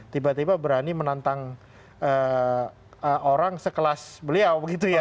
tiba tiba berani menantang orang sekelas beliau begitu ya